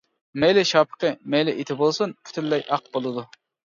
مەيلى شاپىقى، مەيلى ئېتى بولسۇن پۈتۈنلەي ئاق بولىدۇ.